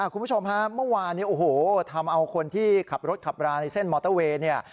คุณผู้ชมฮะเมื่อวานทำเอาคนที่ขับรถขับราในเส้นมอเตอร์เวย์